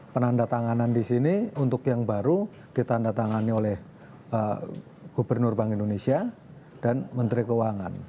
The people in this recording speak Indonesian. penanda tanganan di sini untuk yang baru ditandatangani oleh gubernur bank indonesia dan menteri keuangan